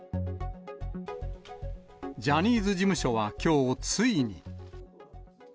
ジャニーズ事務所はきょう、ついに。